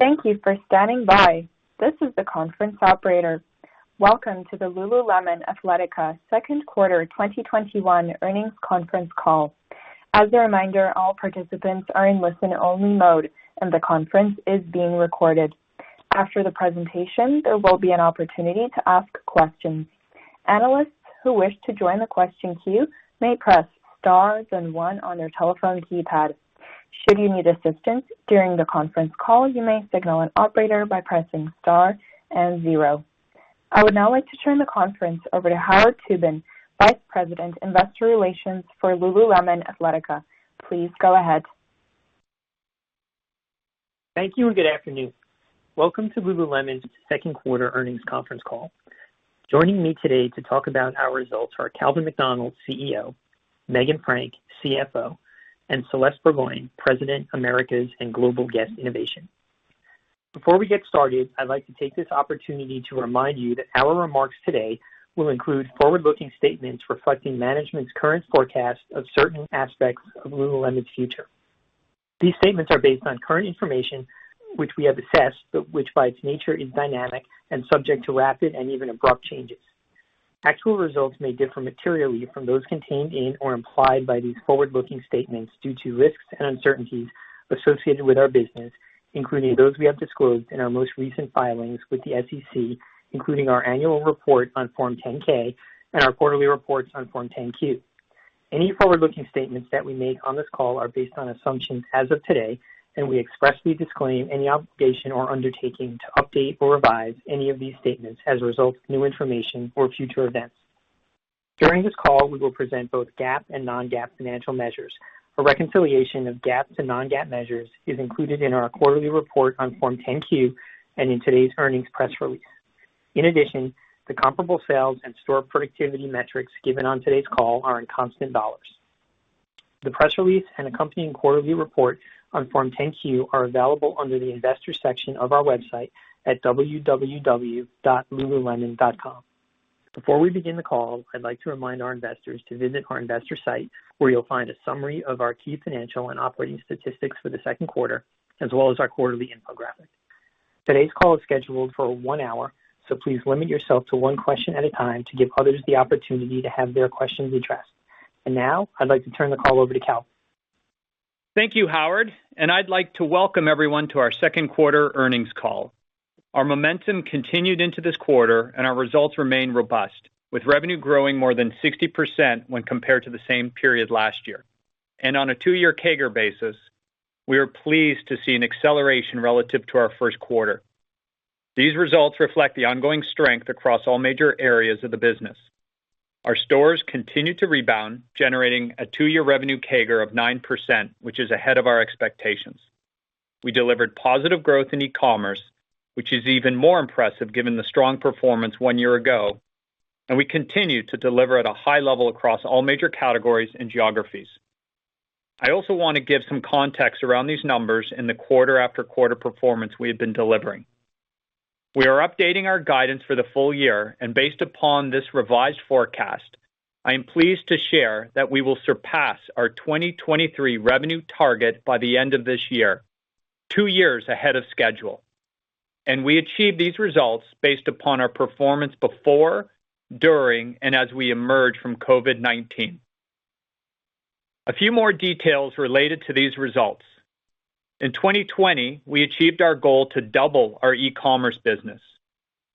Thank you for standing by. This is the conference operator. Welcome to the Lululemon Athletica second quarter 2021 earnings conference call. I would now like to turn the conference over to Howard Tubin, Vice President, Investor Relations for Lululemon Athletica. Please go ahead. Thank you, and good afternoon. Welcome to Lululemon's second quarter earnings conference call. Joining me today to talk about our results are Calvin McDonald, CEO, Meghan Frank, CFO, and Celeste Burgoyne, President, Americas and Global Guest Innovation. Before we get started, I'd like to take this opportunity to remind you that our remarks today will include forward-looking statements reflecting management's current forecast of certain aspects of Lululemon's future. These statements are based on current information which we have assessed, but which by its nature is dynamic and subject to rapid and even abrupt changes. Actual results may differ materially from those contained in or implied by these forward-looking statements due to risks and uncertainties associated with our business. Including those we have disclosed in our most recent filings with the SEC, including our annual report on Form 10-K and our quarterly reports on Form 10-Q. Any forward-looking statements that we make on this call are based on assumptions as of today, and we expressly disclaim any obligation or undertaking to update or revise any of these statements as a result of new information or future events. During this call, we will present both GAAP and non-GAAP financial measures. A reconciliation of GAAP to non-GAAP measures is included in our quarterly report on Form 10-Q and in today's earnings press release. In addition, the comparable sales and store productivity metrics given on today's call are in constant dollars. The press release and accompanying quarterly report on Form 10-Q are available under the Investors section of our website at www.lululemon.com. Before we begin the call, I'd like to remind our investors to visit our investor site, where you'll find a summary of our key financial and operating statistics for the second quarter, as well as our quarterly infographic. Today's call is scheduled for one hour, so please limit yourself to one question at a time to give others the opportunity to have their questions addressed. Now, I'd like to turn the call over to Cal. Thank you, Howard. I'd like to welcome everyone to our second quarter earnings call. Our momentum continued into this quarter. Our results remain robust, with revenue growing more than 60% when compared to the same period last year. On a two-year CAGR basis, we are pleased to see an acceleration relative to our first quarter. These results reflect the ongoing strength across all major areas of the business. Our stores continued to rebound, generating a two-year revenue CAGR of 9%, which is ahead of our expectations. We delivered positive growth in e-commerce, which is even more impressive given the strong performance one year ago, and we continue to deliver at a high level across all major categories and geographies. I also want to give some context around these numbers and the quarter after quarter performance we have been delivering. We are updating our guidance for the full year. Based upon this revised forecast, I am pleased to share that we will surpass our 2023 revenue target by the end of this year, two years ahead of schedule. We achieved these results based upon our performance before, during, and as we emerge from COVID-19. A few more details related to these results. In 2020, we achieved our goal to double our e-commerce business.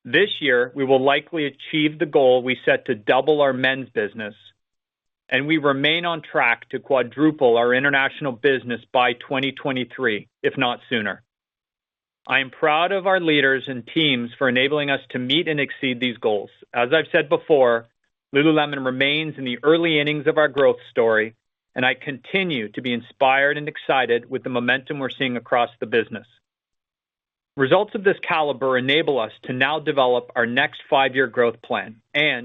This year, we will likely achieve the goal we set to double our men's business. We remain on track to quadruple our international business by 2023, if not sooner. I am proud of our leaders and teams for enabling us to meet and exceed these goals. As I've said before, Lululemon remains in the early innings of our growth story, I continue to be inspired and excited with the momentum we're seeing across the business. Results of this caliber enable us to now develop our next five-year growth plan,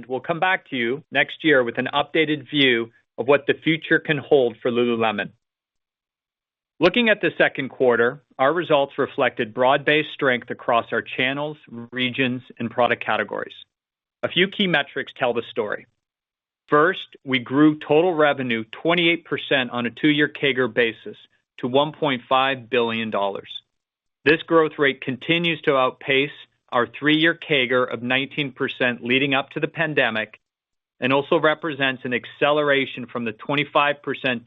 we'll come back to you next year with an updated view of what the future can hold for Lululemon. Looking at the second quarter, our results reflected broad-based strength across our channels, regions, and product categories. A few key metrics tell the story. First, we grew total revenue 28% on a two-year CAGR basis to $1.5 billion. This growth rate continues to outpace our three-year CAGR of 19% leading up to the pandemic, also represents an acceleration from the 25%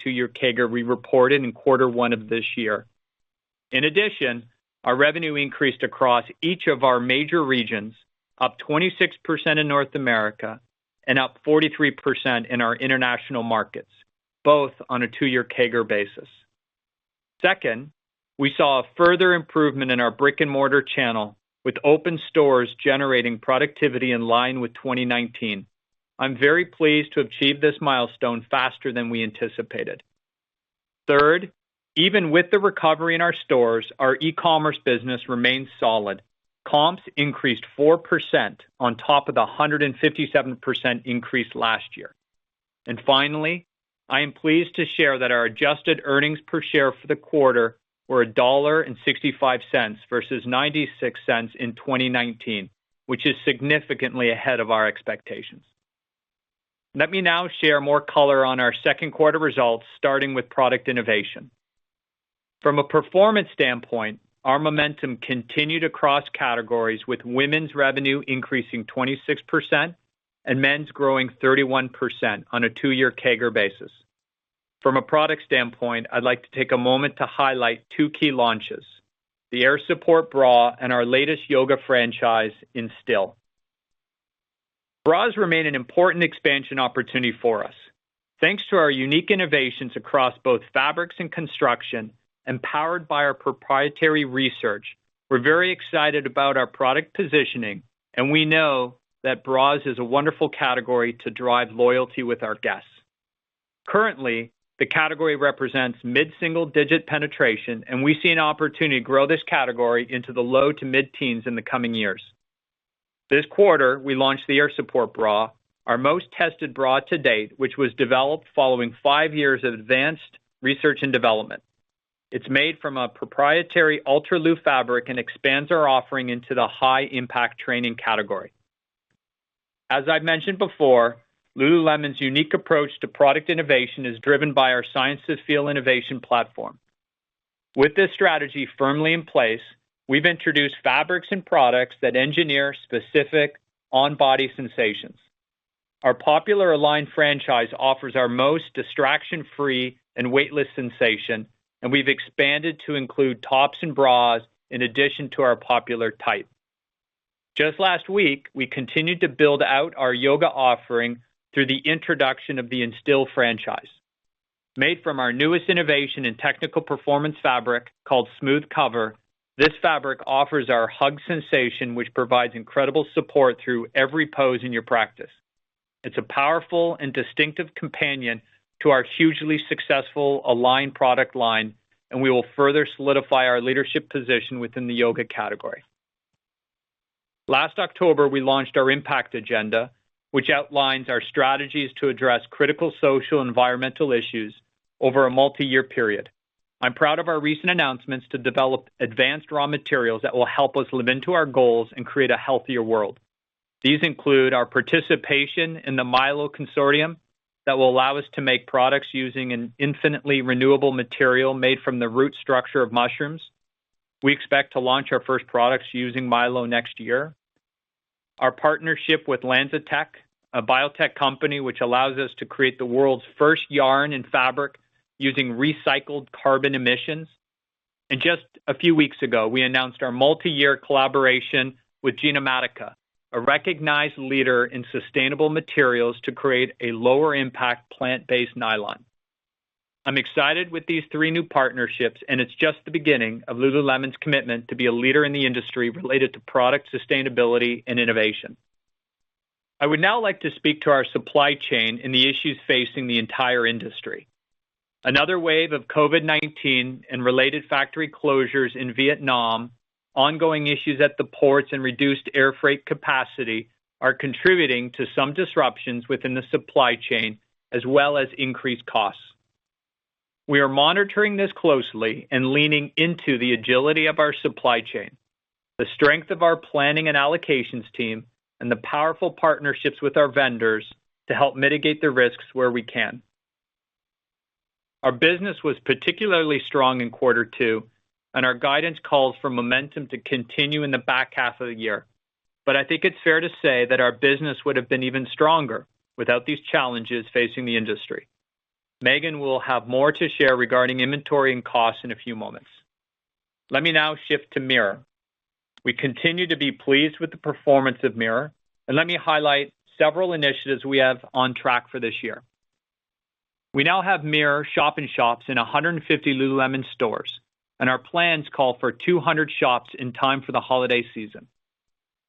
two-year CAGR we reported in quarter one of this year. In addition, our revenue increased across each of our major regions, up 26% in North America and up 43% in our international markets, both on a two-year CAGR basis. Second, we saw a further improvement in our brick-and-mortar channel, with open stores generating productivity in line with 2019. I'm very pleased to achieve this milestone faster than we anticipated. Third, even with the recovery in our stores, our e-commerce business remains solid. Comps increased 4% on top of the 157% increase last year. Finally, I am pleased to share that our adjusted earnings per share for the quarter were $1.65 versus $0.96 in 2019, which is significantly ahead of our expectations. Let me now share more color on our second quarter results, starting with product innovation. From a performance standpoint, our momentum continued across categories, with women's revenue increasing 26% and men's growing 31% on a two-year CAGR basis. From a product standpoint, I'd like to take a moment to highlight two key launches, the Air Support bra and our latest yoga franchise, Instill. Bras remain an important expansion opportunity for us. Thanks to our unique innovations across both fabrics and construction, empowered by our proprietary research, we're very excited about our product positioning, and we know that bras is a wonderful category to drive loyalty with our guests. Currently, the category represents mid-single-digit penetration, and we see an opportunity to grow this category into the low to mid-teens in the coming years. This quarter, we launched the Air Support bra, our most tested bra to date, which was developed following five years of advanced research and development. It's made from a proprietary Ultralu fabric and expands our offering into the high-impact training category. As I've mentioned before, Lululemon's unique approach to product innovation is driven by our Science of Feel innovation platform. With this strategy firmly in place, we've introduced fabrics and products that engineer specific on-body sensations. Our popular Align franchise offers our most distraction-free and weightless sensation, and we've expanded to include tops and bras in addition to our popular tight. Just last week, we continued to build out our yoga offering through the introduction of the Instill franchise. Made from our newest innovation in technical performance fabric called SmoothCover, this fabric offers our hug sensation, which provides incredible support through every pose in your practice. It's a powerful and distinctive companion to our hugely successful Align product line, and we will further solidify our leadership position within the yoga category. Last October, we launched our Impact Agenda, which outlines our strategies to address critical social and environmental issues over a multi-year period. I'm proud of our recent announcements to develop advanced raw materials that will help us live into our goals and create a healthier world. These include our participation in the Mylo consortium that will allow us to make products using an infinitely renewable material made from the root structure of mushrooms. We expect to launch our first products using Mylo next year. Our partnership with LanzaTech, a biotech company, which allows us to create the world's first yarn and fabric using recycled carbon emissions. Just a few weeks ago, we announced our multi-year collaboration with Genomatica, a recognized leader in sustainable materials, to create a lower-impact plant-based nylon. I'm excited with these three new partnerships, and it's just the beginning of Lululemon's commitment to be a leader in the industry related to product sustainability and innovation. I would now like to speak to our supply chain and the issues facing the entire industry. Another wave of COVID-19 and related factory closures in Vietnam, ongoing issues at the ports, and reduced air freight capacity are contributing to some disruptions within the supply chain, as well as increased costs. We are monitoring this closely and leaning into the agility of our supply chain, the strength of our planning and allocations team, and the powerful partnerships with our vendors to help mitigate the risks where we can. Our business was particularly strong in quarter two, and our guidance calls for momentum to continue in the back half of the year. I think it's fair to say that our business would have been even stronger without these challenges facing the industry. Meghan will have more to share regarding inventory and cost in a few moments. Let me now shift to Mirror. We continue to be pleased with the performance of Mirror, and let me highlight several initiatives we have on track for this year. We now have Mirror shop-in-shops in 150 Lululemon stores, and our plans call for 200 shops in time for the holiday season.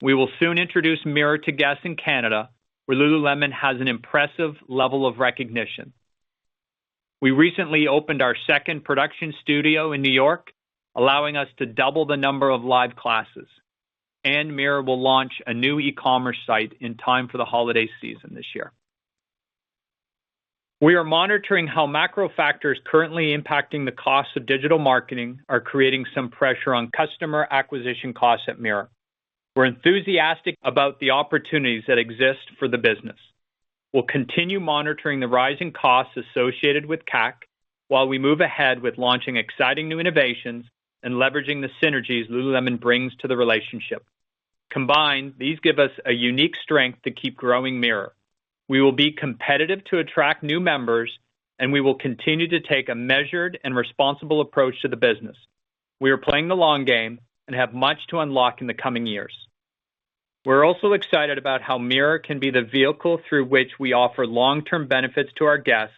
We will soon introduce Mirror to guests in Canada, where Lululemon has an impressive level of recognition. We recently opened our second production studio in New York, allowing us to double the number of live classes, and Mirror will launch a new e-commerce site in time for the holiday season this year. We are monitoring how macro factors currently impacting the cost of digital marketing are creating some pressure on customer acquisition costs at Mirror. We're enthusiastic about the opportunities that exist for the business. We'll continue monitoring the rising costs associated with CAC while we move ahead with launching exciting new innovations and leveraging the synergies Lululemon brings to the relationship. Combined, these give us a unique strength to keep growing Mirror. We will be competitive to attract new members, and we will continue to take a measured and responsible approach to the business. We are playing the long game and have much to unlock in the coming years. We're also excited about how Mirror can be the vehicle through which we offer long-term benefits to our guests,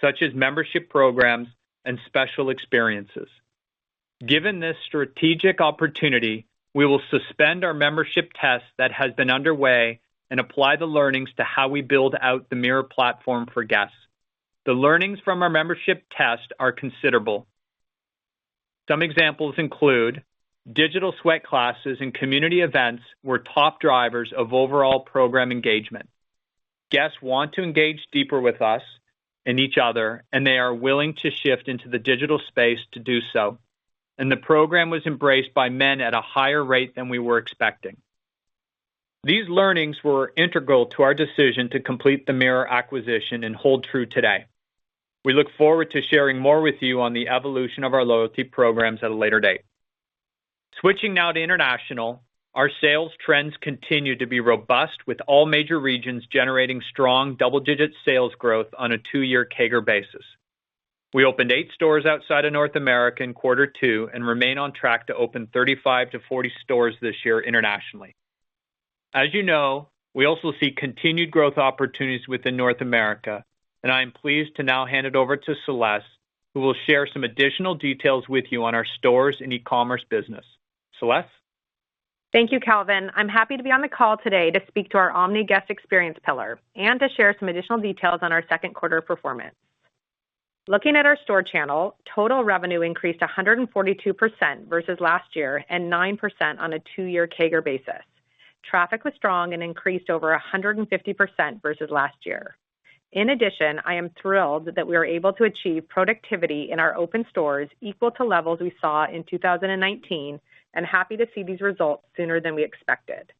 such as membership programs and special experiences. Given this strategic opportunity, we will suspend our membership test that has been underway and apply the learnings to how we build out the Mirror platform for guests. The learnings from our membership test are considerable. Some examples include digital sweat classes and community events were top drivers of overall program engagement. Guests want to engage deeper with us and each other, and they are willing to shift into the digital space to do so. The program was embraced by men at a higher rate than we were expecting. These learnings were integral to our decision to complete the Mirror acquisition and hold true today. We look forward to sharing more with you on the evolution of our loyalty programs at a later date. Switching now to international, our sales trends continue to be robust with all major regions generating strong double-digit sales growth on a two-year CAGR basis. We opened eight stores outside of North America in quarter two and remain on track to open 35-40 stores this year internationally. As you know, we also see continued growth opportunities within North America, and I am pleased to now hand it over to Celeste, who will share some additional details with you on our stores and e-commerce business. Celeste? Thank you, Calvin. I'm happy to be on the call today to speak to our omni-guest experience pillar and to share some additional details on our second quarter performance. Looking at our store channel, total revenue increased 142% versus last year and 9% on a two-year CAGR basis. Traffic was strong and increased over 150% versus last year. In addition, I am thrilled that we are able to achieve productivity in our open stores equal to levels we saw in 2019 and happy to see these results sooner than we expected.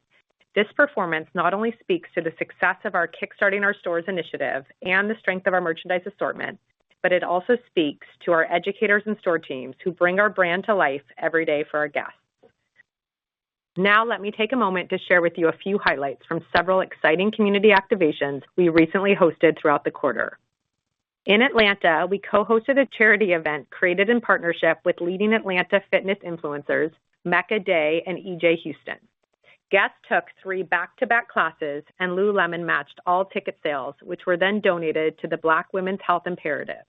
This performance not only speaks to the success of our Kickstarting Our Stores initiative and the strength of our merchandise assortment, but it also speaks to our educators and store teams who bring our brand to life every day for our guests. Now, let me take a moment to share with you a few highlights from several exciting community activations we recently hosted throughout the quarter. In Atlanta, we co-hosted a charity event created in partnership with leading Atlanta fitness influencers Mecca Day and EJ Houston. Guests took three back-to-back classes and Lululemon matched all ticket sales, which were then donated to the Black Women's Health Imperative.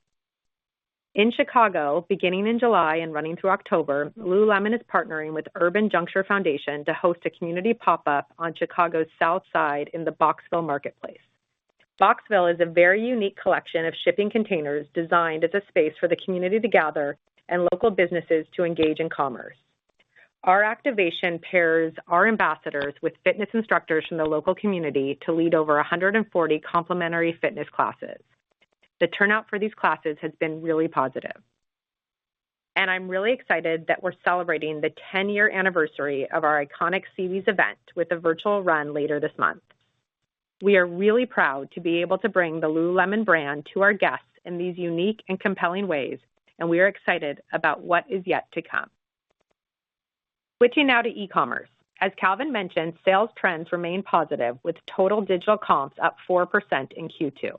In Chicago, beginning in July and running through October, Lululemon is partnering with Urban Juncture Foundation to host a community pop-up on Chicago's South Side in the Boxville Marketplace. Boxville is a very unique collection of shipping containers designed as a space for the community to gather and local businesses to engage in commerce. Our activation pairs our ambassadors with fitness instructors from the local community to lead over 140 complimentary fitness classes. The turnout for these classes has been really positive. I'm really excited that we're celebrating the 10-year anniversary of our iconic SeaWheeze event with a virtual run later this month. We are really proud to be able to bring the Lululemon brand to our guests in these unique and compelling ways, and we are excited about what is yet to come. Switching now to e-commerce. As Calvin mentioned, sales trends remain positive with total digital comps up 4% in Q2.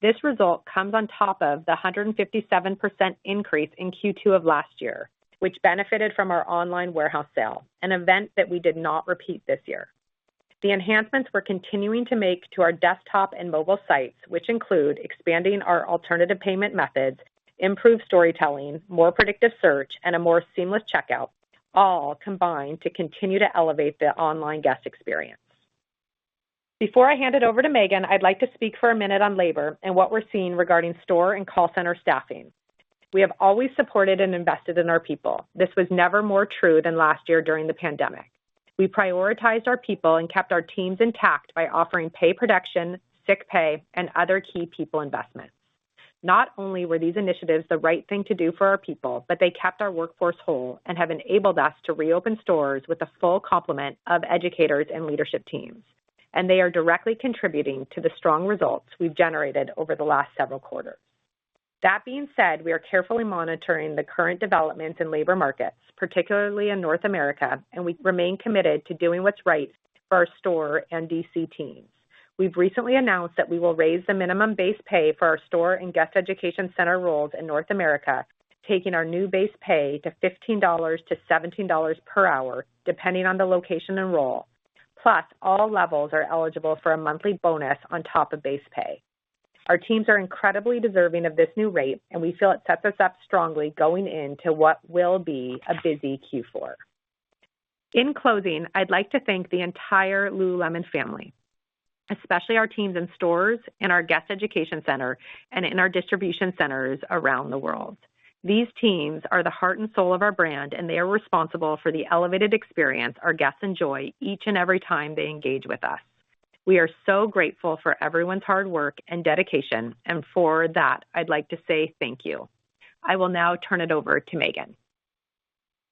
This result comes on top of the 157% increase in Q2 of last year, which benefited from our online warehouse sale, an event that we did not repeat this year. The enhancements we're continuing to make to our desktop and mobile sites, which include expanding our alternative payment methods, improved storytelling, more predictive search, and a more seamless checkout all combine to continue to elevate the online guest experience. Before I hand it over to Meghan, I'd like to speak for one minute on labor and what we're seeing regarding store and call center staffing. We have always supported and invested in our people. This was never more true than last year during the pandemic. We prioritized our people and kept our teams intact by offering pay protection, sick pay, and other key people investments. Not only were these initiatives the right thing to do for our people, but they kept our workforce whole and have enabled us to reopen stores with a full complement of educators and leadership teams. They are directly contributing to the strong results we've generated over the last several quarters. That being said, we are carefully monitoring the current developments in labor markets, particularly in North America, and we remain committed to doing what's right for our store and DC teams. We've recently announced that we will raise the minimum base pay for our store and Guest Education Center roles in North America, taking our new base pay to $15-$17 per hour, depending on the location and role. All levels are eligible for a monthly bonus on top of base pay. Our teams are incredibly deserving of this new rate, and we feel it sets us up strongly going into what will be a busy Q4. In closing, I'd like to thank the entire Lululemon family, especially our teams in stores and our Guest Education Center and in our distribution centers around the world. These teams are the heart and soul of our brand, and they are responsible for the elevated experience our guests enjoy each and every time they engage with us. We are so grateful for everyone's hard work and dedication, and for that, I'd like to say thank you. I will now turn it over to Meghan.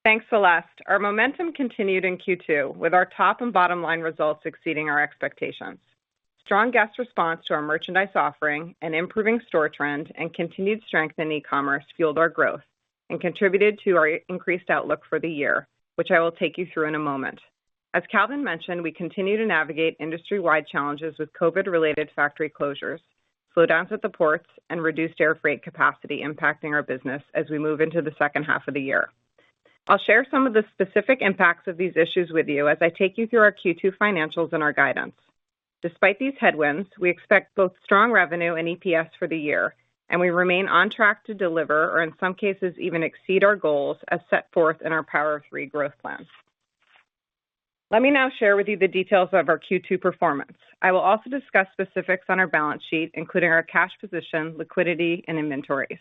Thanks, Celeste. Our momentum continued in Q2 with our top and bottom-line results exceeding our expectations. Strong guest response to our merchandise offering and improving store trend and continued strength in e-commerce fueled our growth and contributed to our increased outlook for the year, which I will take you through in a moment. As Calvin mentioned, we continue to navigate industry-wide challenges with COVID-related factory closures, slowdowns at the ports, and reduced air freight capacity impacting our business as we move into the second half of the year. I'll share some of the specific impacts of these issues with you as I take you through our Q2 financials and our guidance. Despite these headwinds, we expect both strong revenue and EPS for the year. We remain on track to deliver or in some cases even exceed our goals as set forth in our Power of Three growth plan. Let me now share with you the details of our Q2 performance. I will also discuss specifics on our balance sheet, including our cash position, liquidity, and inventories.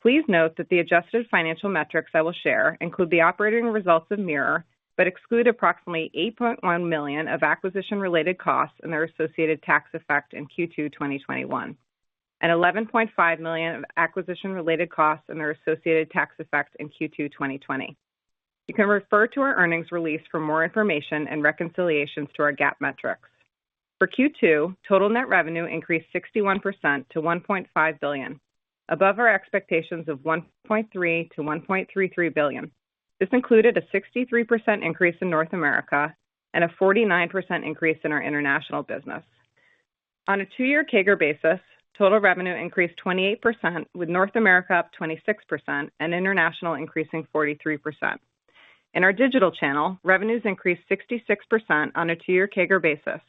Please note that the adjusted financial metrics I will share include the operating results of Mirror, but exclude approximately $8.1 million of acquisition-related costs and their associated tax effect in Q2 2021. $11.5 million of acquisition-related costs and their associated tax effects in Q2 2020. You can refer to our earnings release for more information and reconciliations to our GAAP metrics. For Q2, total net revenue increased 61% to $1.5 billion, above our expectations of $1.3 billion-$1.33 billion. This included a 63% increase in North America and a 49% increase in our international business. On a two-year CAGR basis, total revenue increased 28%, with North America up 26% and international increasing 43%. In our digital channel, revenues increased 66% on a two-year CAGR basis,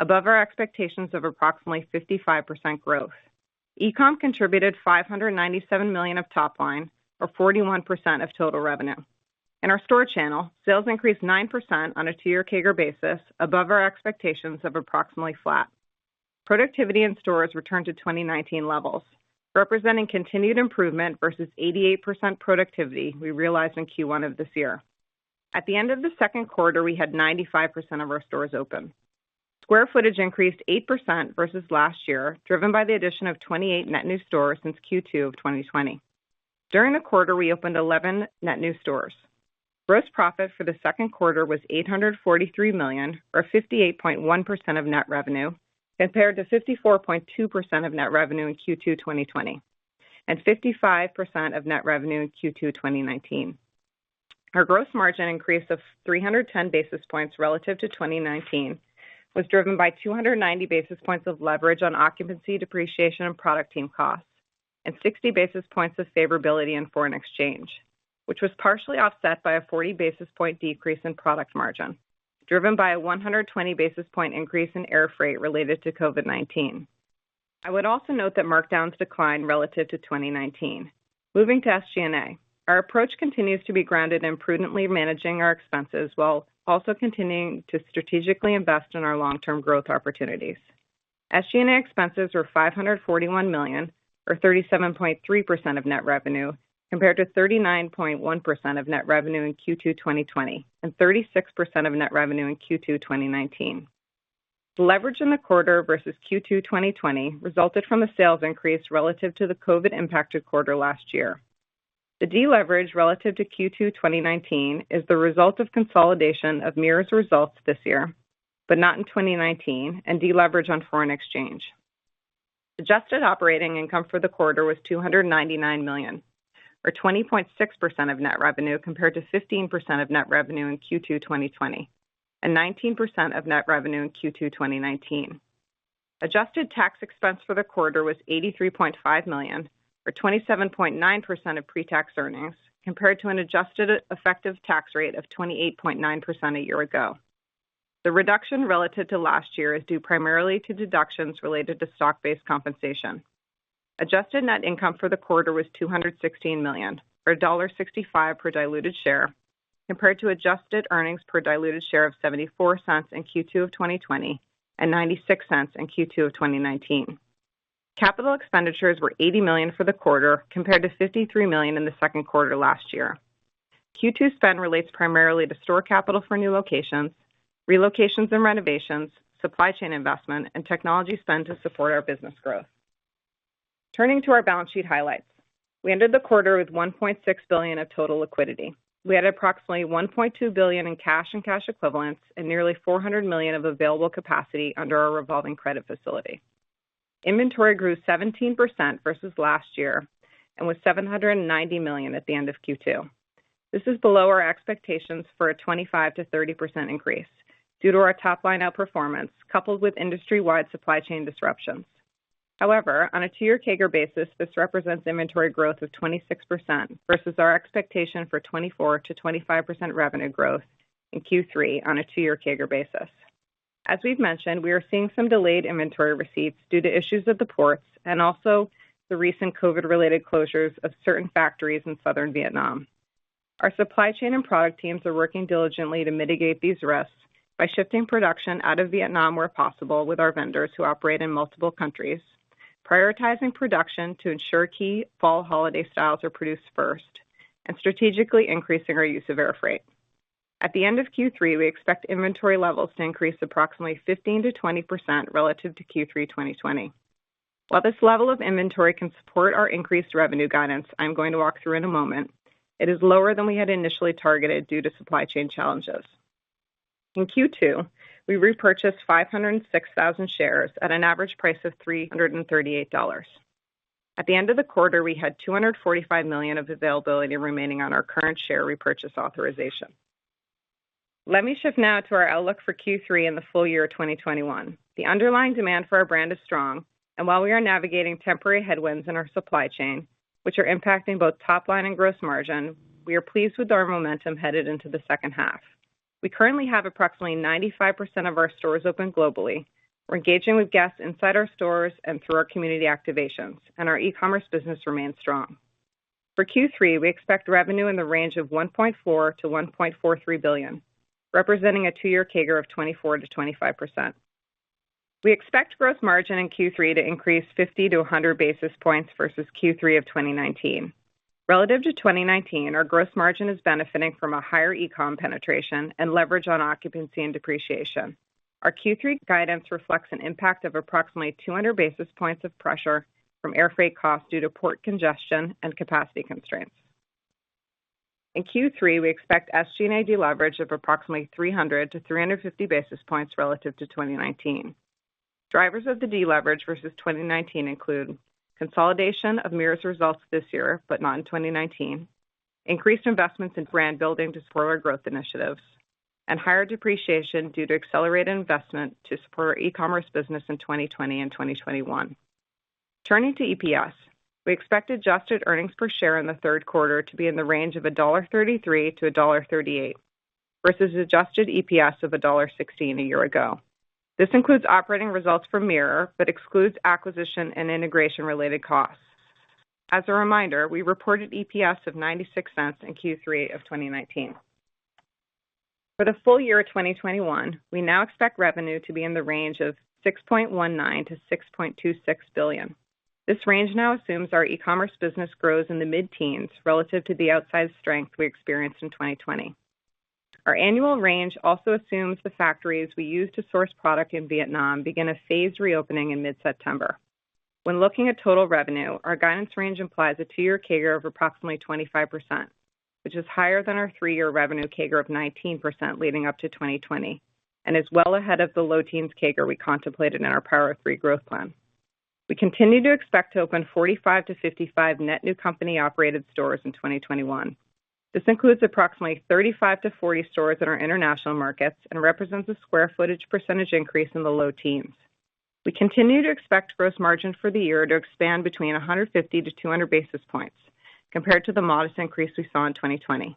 above our expectations of approximately 55% growth. E-com contributed $597 million of top line, or 41% of total revenue. In our store channel, sales increased 9% on a two-year CAGR basis above our expectations of approximately flat. Productivity in stores returned to 2019 levels, representing continued improvement versus 88% productivity we realized in Q1 of this year. At the end of the second quarter, we had 95% of our stores open. Square footage increased 8% versus last year, driven by the addition of 28 net new stores since Q2 of 2020. During the quarter, we opened 11 net new stores. Gross profit for the second quarter was $843 million, or 58.1% of net revenue, compared to 54.2% of net revenue in Q2 2020 and 55% of net revenue in Q2 2019. Our gross margin increase of 310 basis points relative to 2019 was driven by 290 basis points of leverage on occupancy, depreciation, and product team costs, and 60 basis points of favorability in foreign exchange, which was partially offset by a 40 basis point decrease in product margin, driven by a 120 basis point increase in air freight related to COVID-19. I would also note that markdowns declined relative to 2019. Moving to SG&A. Our approach continues to be grounded in prudently managing our expenses while also continuing to strategically invest in our long-term growth opportunities. SG&A expenses were $541 million, or 37.3% of net revenue, compared to 39.1% of net revenue in Q2 2020 and 36% of net revenue in Q2 2019. The leverage in the quarter versus Q2 2020 resulted from a sales increase relative to the COVID-impacted quarter last year. The deleverage relative to Q2 2019 is the result of consolidation of Mirror's results this year, but not in 2019, and deleverage on foreign exchange. Adjusted operating income for the quarter was $299 million, or 20.6% of net revenue, compared to 15% of net revenue in Q2 2020 and 19% of net revenue in Q2 2019. Adjusted tax expense for the quarter was $83.5 million, or 27.9% of pre-tax earnings, compared to an adjusted effective tax rate of 28.9% a year ago. The reduction relative to last year is due primarily to deductions related to stock-based compensation. Adjusted net income for the quarter was $216 million, or $1.65 per diluted share, compared to adjusted earnings per diluted share of $0.74 in Q2 of 2020 and $0.96 in Q2 of 2019. Capital expenditures were $80 million for the quarter, compared to $53 million in the second quarter last year. Q2 spend relates primarily to store capital for new locations, relocations and renovations, supply chain investment, and technology spend to support our business growth. Turning to our balance sheet highlights. We ended the quarter with $1.6 billion of total liquidity. We had approximately $1.2 billion in cash and cash equivalents and nearly $400 million of available capacity under our revolving credit facility. Inventory grew 17% versus last year and was $790 million at the end of Q2. This is below our expectations for a 25%-30% increase due to our top-line outperformance, coupled with industry-wide supply chain disruptions. On a two-year CAGR basis, this represents inventory growth of 26%, versus our expectation for 24%-25% revenue growth in Q3 on a two-year CAGR basis. As we've mentioned, we are seeing some delayed inventory receipts due to issues at the ports and also the recent COVID-related closures of certain factories in southern Vietnam. Our supply chain and product teams are working diligently to mitigate these risks by shifting production out of Vietnam where possible with our vendors who operate in multiple countries, prioritizing production to ensure key fall holiday styles are produced first, and strategically increasing our use of air freight. At the end of Q3, we expect inventory levels to increase approximately 15%-20% relative to Q3 2020. While this level of inventory can support our increased revenue guidance I'm going to walk through in a moment, it is lower than we had initially targeted due to supply chain challenges. In Q2, we repurchased 506,000 shares at an average price of $338. At the end of the quarter, we had $245 million of availability remaining on our current share repurchase authorization. Let me shift now to our outlook for Q3 and the full year of 2021. The underlying demand for our brand is strong, and while we are navigating temporary headwinds in our supply chain, which are impacting both top line and gross margin, we are pleased with our momentum headed into the second half. We currently have approximately 95% of our stores open globally. We're engaging with guests inside our stores and through our community activations, and our e-commerce business remains strong. For Q3, we expect revenue in the range of $1.4 billion-$1.43 billion, representing a two-year CAGR of 24%-25%. We expect gross margin in Q3 to increase 50-100 basis points versus Q3 of 2019. Relative to 2019, our gross margin is benefiting from a higher e-com penetration and leverage on occupancy and depreciation. Our Q3 guidance reflects an impact of approximately 200 basis points of pressure from air freight costs due to port congestion and capacity constraints. In Q3, we expect SG&A leverage of approximately 300-350 basis points relative to 2019. Drivers of the deleverage versus 2019 include consolidation of Mirror's results this year, but not in 2019, increased investments in brand building to support our growth initiatives, and higher depreciation due to accelerated investment to support our e-commerce business in 2020 and 2021. Turning to EPS, we expect adjusted earnings per share in the third quarter to be in the range of $1.33-$1.38 versus adjusted EPS of $1.16 a year ago. This includes operating results from Mirror, but excludes acquisition and integration related costs. As a reminder, we reported EPS of $0.96 in Q3 of 2019. For the full year of 2021, we now expect revenue to be in the range of $6.19 billion-$6.26 billion. This range now assumes our e-commerce business grows in the mid-teens relative to the outsized strength we experienced in 2020. Our annual range also assumes the factories we use to source product in Vietnam begin a phased reopening in mid-September. When looking at total revenue, our guidance range implies a two-year CAGR of approximately 25%, which is higher than our three-year revenue CAGR of 19% leading up to 2020, and is well ahead of the low teens CAGR we contemplated in our Power of Three growth plan. We continue to expect to open 45-55 net new company-operated stores in 2021. This includes approximately 35-40 stores in our international markets and represents a square footage percentage increase in the low teens. We continue to expect gross margin for the year to expand between 150-200 basis points compared to the modest increase we saw in 2020.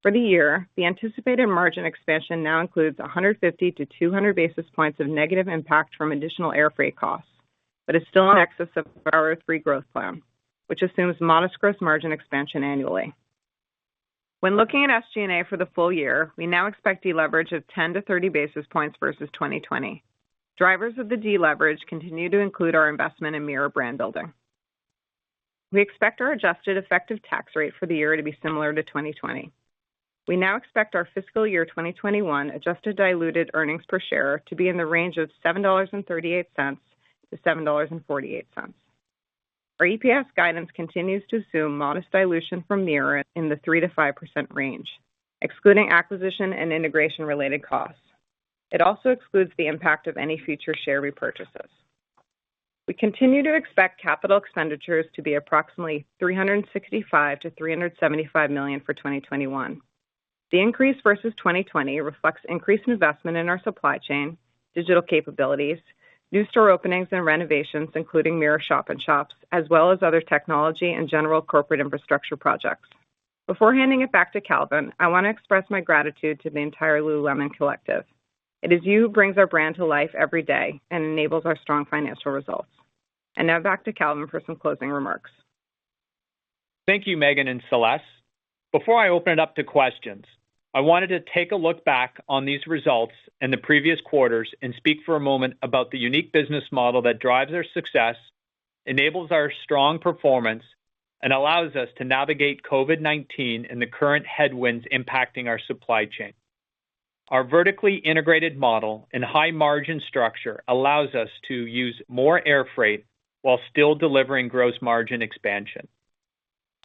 For the year, the anticipated margin expansion now includes 150-200 basis points of negative impact from additional air freight costs, but is still in excess of our Power of Three growth plan, which assumes modest gross margin expansion annually. When looking at SG&A for the full year, we now expect deleverage of 10-30 basis points versus 2020. Drivers of the deleverage continue to include our investment in Mirror brand building. We expect our adjusted effective tax rate for the year to be similar to 2020. We now expect our fiscal year 2021 adjusted diluted earnings per share to be in the range of $7.38 to $7.48. Our EPS guidance continues to assume modest dilution from Mirror in the 3%-5% range, excluding acquisition and integration related costs. It also excludes the impact of any future share repurchases. We continue to expect capital expenditures to be approximately $365 million-$375 million for 2021. The increase versus 2020 reflects increased investment in our supply chain, digital capabilities, new store openings and renovations, including Mirror shop in shops, as well as other technology and general corporate infrastructure projects. Before handing it back to Calvin, I want to express my gratitude to the entire Lululemon collective. It is you who brings our brand to life every day and enables our strong financial results. Now back to Calvin for some closing remarks. Thank you, Meghan and Celeste. Before I open it up to questions, I wanted to take a look back on these results and the previous quarters and speak for a moment about the unique business model that drives our success, enables our strong performance, and allows us to navigate COVID-19 and the current headwinds impacting our supply chain. Our vertically integrated model and high margin structure allows us to use more air freight while still delivering gross margin expansion.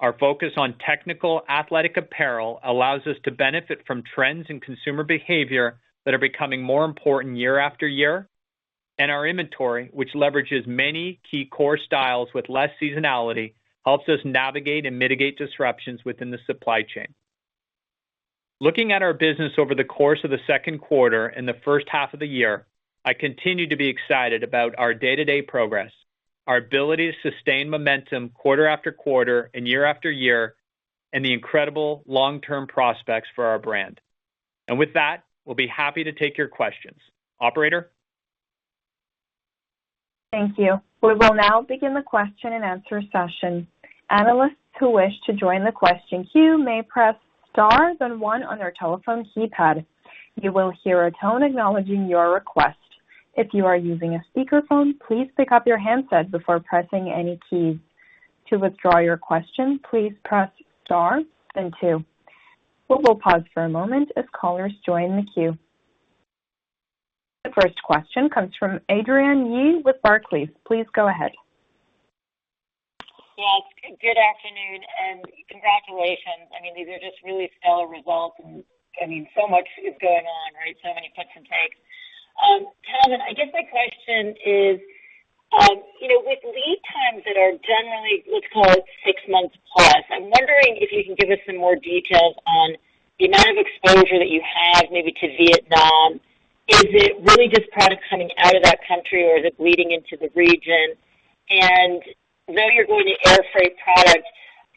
Our focus on technical athletic apparel allows us to benefit from trends in consumer behavior that are becoming more important year after year. Our inventory, which leverages many key core styles with less seasonality, helps us navigate and mitigate disruptions within the supply chain. Looking at our business over the course of the second quarter and the first half of the year, I continue to be excited about our day-to-day progress, our ability to sustain momentum quarter after quarter and year after year, and the incredible long-term prospects for our brand. With that, we'll be happy to take your questions. Operator? Thank you. We will now begin the question and answer session. Analysts who wish to join the question queue may press star then one on their telephone keypad. You will hear a tone acknowledging your request. If you are using a speakerphone, please pick up your handset before pressing any keys. To withdraw your question, please press star then two. We will pause for a moment as callers join the queue. The first question comes from Adrienne Yih with Barclays. Please go ahead. Yes. Good afternoon and congratulations. I mean, these are just really stellar results and, I mean, so much is going on, right? So many puts and takes. Calvin, I guess my question is, you know, with lead times that are generally, let's call it six months plus, I'm wondering if you can give us some more details on the amount of exposure that you have maybe to Vietnam. Is it really just products coming out of that country, or is it bleeding into the region? I know you're going to air freight product.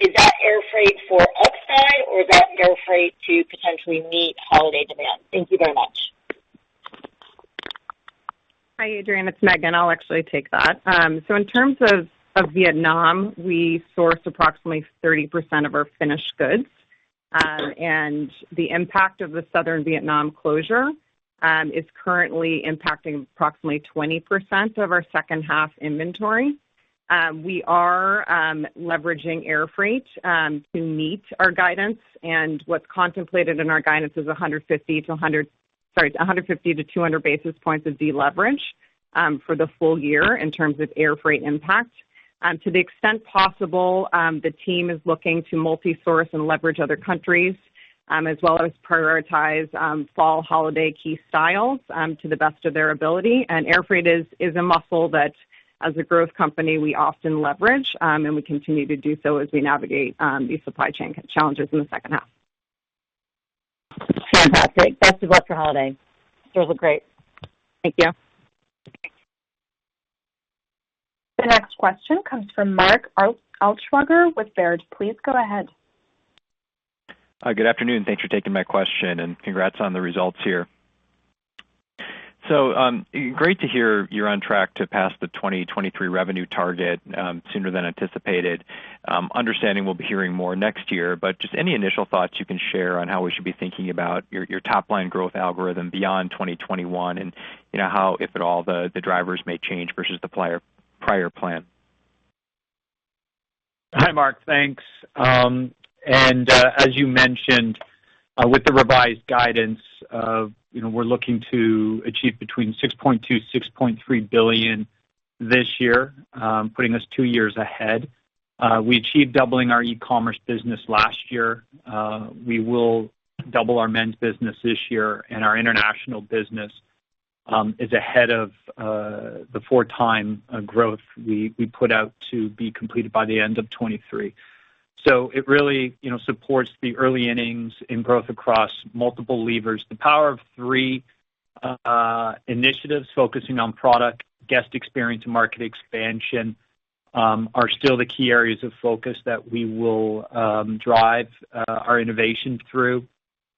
Is that air freight for up-buy or is that air freight to potentially meet holiday demand? Thank you very much. Hi, Adrienne. It's Meghan. I'll actually take that. In terms of Vietnam, we source approximately 30% of our finished goods. The impact of the Southern Vietnam closure is currently impacting approximately 20% of our second half inventory. We are leveraging air freight to meet our guidance. What's contemplated in our guidance is 150 to 200 basis points of deleverage for the full year in terms of air freight impact. To the extent possible, the team is looking to multi-source and leverage other countries, as well as prioritize fall holiday key styles to the best of their ability. Air freight is a muscle that, as a growth company, we often leverage, and we continue to do so as we navigate these supply chain challenges in the second half. Fantastic. Best of luck for holiday. Stores look great. Thank you. The next question comes from Mark Altschwager with Baird. Please go ahead. Good afternoon. Thanks for taking my question, and congrats on the results here. Great to hear you're on track to pass the 2023 revenue target sooner than anticipated. Understanding we'll be hearing more next year, but just any initial thoughts you can share on how we should be thinking about your top-line growth algorithm beyond 2021 and, how, if at all, the drivers may change versus the prior plan. Hi, Mark. Thanks. As you mentioned, with the revised guidance of, we're looking to achieve between $6.2 billion-$6.3 billion this year, putting us two years ahead. We achieved doubling our e-commerce business last year. We will double our men's business this year. Our international business is ahead of the four-time growth we put out to be completed by the end of 2023. It really supports the early innings in growth across multiple levers. The Power of Three initiatives focusing on product, guest experience, and market expansion are still the key areas of focus that we will drive our innovation through.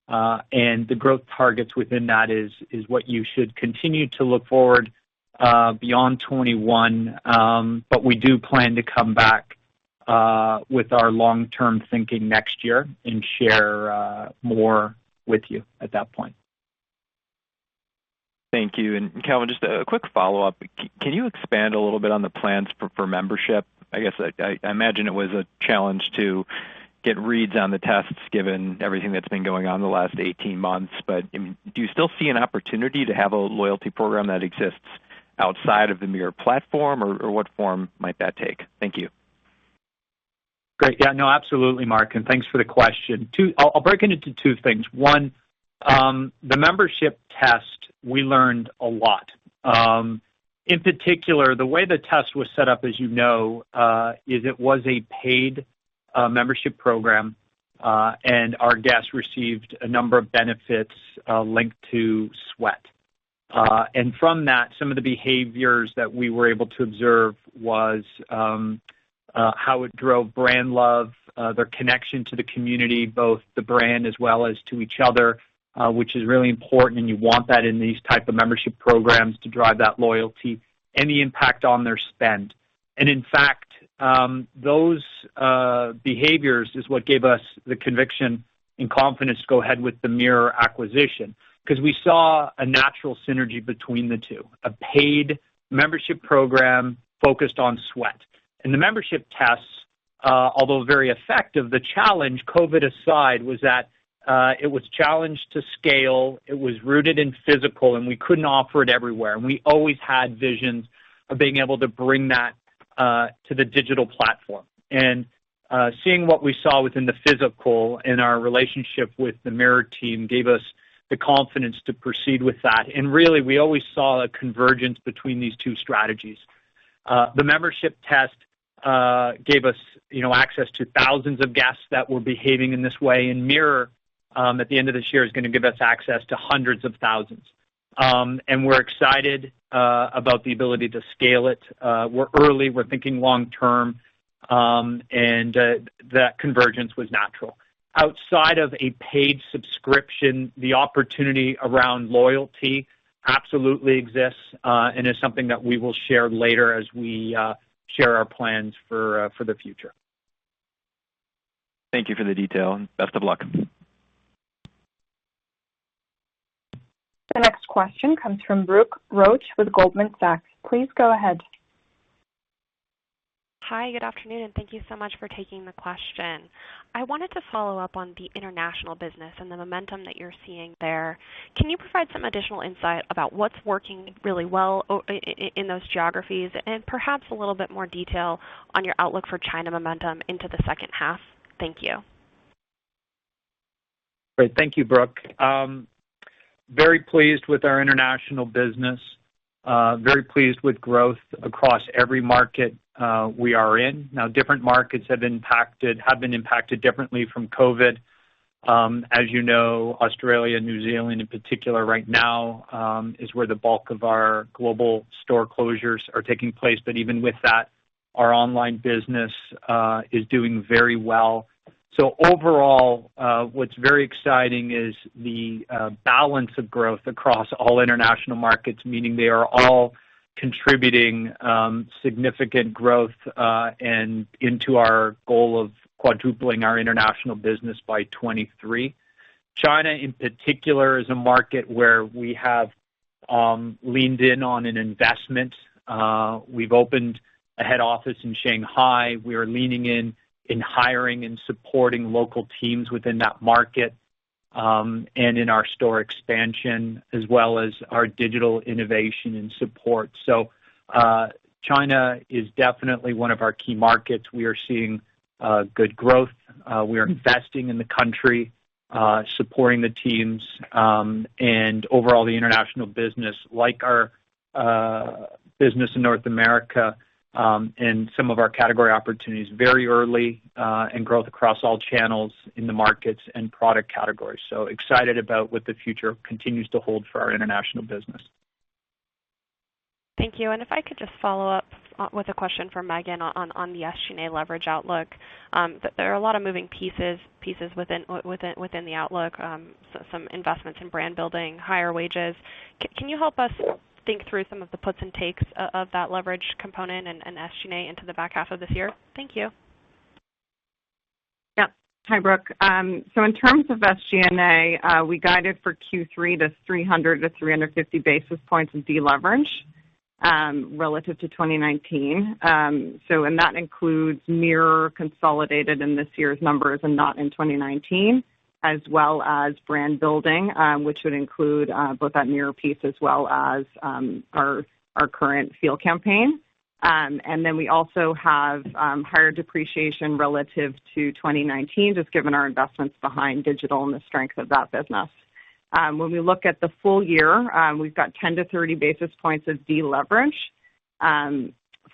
The growth targets within that is what you should continue to look forward beyond 2021. We do plan to come back with our long-term thinking next year and share more with you at that point. Thank you. Calvin, just a quick follow-up. Can you expand a little bit on the plans for membership? I guess, I imagine it was a challenge to get reads on the tests given everything that's been going on in the last 18 months. Do you still see an opportunity to have a loyalty program that exists outside of the Mirror platform, or what form might that take? Thank you. Great. Yeah, no, absolutely, Mark, and thanks for the question. I'll break it into two things. One, the membership test, we learned a lot. In particular, the way the test was set up, as you know, is it was a paid membership program, and our guests received a number of benefits linked to sweat. From that, some of the behaviors that we were able to observe was how it drove brand love, their connection to the community, both the brand as well as to each other, which is really important, and you want that in these type of membership programs to drive that loyalty, and the impact on their spend. In fact, those behaviors is what gave us the conviction and confidence to go ahead with the Mirror acquisition because we saw a natural synergy between the two. A paid membership program focused on sweat. The membership tests, although very effective, the challenge, COVID aside, was that it was challenged to scale, it was rooted in physical, and we couldn't offer it everywhere. We always had visions of being able to bring that to the digital platform. Seeing what we saw within the physical and our relationship with the Mirror team gave us the confidence to proceed with that. Really, we always saw a convergence between these two strategies. The membership test gave us access to thousands of guests that were behaving in this way. Mirror, at the end of this year, is going to give us access to hundreds of thousands. We're excited about the ability to scale it. We're early, we're thinking long term, and that convergence was natural. Outside of a paid subscription, the opportunity around loyalty absolutely exists and is something that we will share later as we share our plans for the future. Thank you for the detail, and best of luck. The next question comes from Brooke Roach with Goldman Sachs. Please go ahead. Hi, good afternoon. Thank you so much for taking the question. I wanted to follow up on the international business and the momentum that you're seeing there. Can you provide some additional insight about what's working really well in those geographies and perhaps a little bit more detail on your outlook for China momentum into the second half? Thank you. Great. Thank you, Brooke. Very pleased with our international business. Very pleased with growth across every market we are in. Different markets have been impacted differently from COVID-19. As you know, Australia and New Zealand in particular right now is where the bulk of our global store closures are taking place. Even with that, our online business is doing very well. Overall, what's very exciting is the balance of growth across all international markets, meaning they are all contributing significant growth and into our goal of quadrupling our international business by 2023. China in particular is a market where we have leaned in on an investment. We've opened a head office in Shanghai. We are leaning in in hiring and supporting local teams within that market, and in our store expansion, as well as our digital innovation and support. China is definitely one of our key markets. We are seeing good growth. We are investing in the country, supporting the teams, and overall, the international business, like our business in North America, and some of our category opportunity is very early in growth across all channels in the markets and product categories. Excited about what the future continues to hold for our international business. Thank you. If I could just follow up with a question for Meghan on the SG&A leverage outlook. There are a lot of moving pieces within the outlook, some investments in brand building, higher wages. Can you help us think through some of the puts and takes of that leverage component and SG&A into the back half of this year? Thank you. Yep. Hi, Brooke. In terms of SG&A, we guided for Q3 to 300 to 350 basis points of deleverage relative to 2019. That includes Mirror consolidated in this year's numbers and not in 2019, as well as brand building, which would include both that Mirror piece as well as our current Feel campaign. We also have higher depreciation relative to 2019, just given our investments behind digital and the strength of that business. When we look at the full year, we've got 10 to 30 basis points of deleverage